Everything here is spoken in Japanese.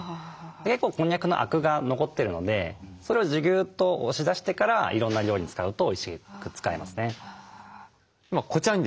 結構こんにゃくのアクが残ってるのでそれをギューッと押し出してからいろんな料理に使うとおいしく使えますね。